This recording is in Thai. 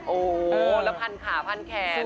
โอ้โหแล้วพันขาพันแขน